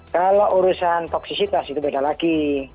kalau urusan toksisitas itu beda lagi